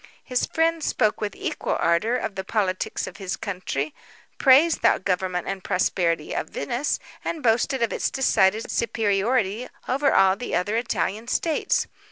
His friend spoke with equal ardour, of the politics of his country; praised the government and prosperity of Venice, and boasted of its decided superiority over all the other Italian states.